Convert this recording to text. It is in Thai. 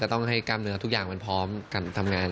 ต้องให้กล้ามเนื้อทุกอย่างมันพร้อมกันทำงาน